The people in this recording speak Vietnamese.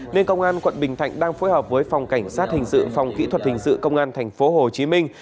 nên công an quận bình thạnh đang phối hợp với phòng cảnh sát hình sự phòng kỹ thuật hình sự công an thành phố hồ chí minh